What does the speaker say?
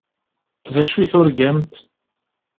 D acu i turgamt?